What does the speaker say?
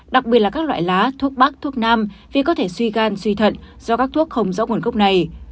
đặc biệt là các loại lá thuốc bắc thuốc nam vì có thể suy gan suy thận do các thuốc không rõ nguồn gốc này